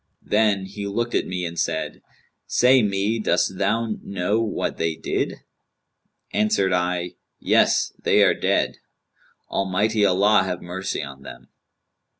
Then he looked at me and said, 'Say me, dost thou know what they did?'[FN#202] Answered I, 'Yes, they are dead; Almighty Allah have mercy on them!'